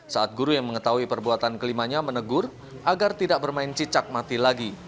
saat guru yang mengetahui perbuatan kelimanya menegur agar tidak bermain cicak mati lagi